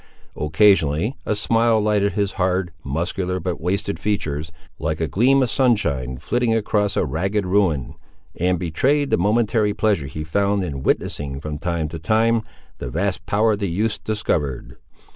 Occasionally, a smile lighted his hard, muscular, but wasted features, like a gleam of sunshine flitting across a ragged ruin, and betrayed the momentary pleasure he found in witnessing from time to time the vast power the youths discovered.